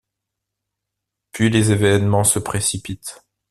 Puis les événements se précipitent.